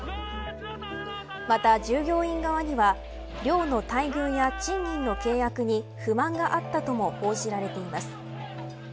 また、従業員側には寮の待遇や賃金の契約に不満があったとも報じられています。